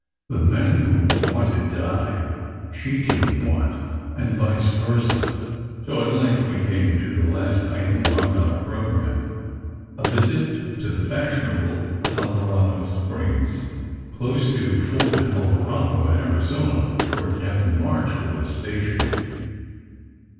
The men who wanted Di, she didn t want, and vice versa. So at length 62 SECRET HISTORY we came to the last item marked on our programme: a visit to the fashionable Alvarado Springs, close to Fort Alvarado, in Arizona, where Captain March was stationed.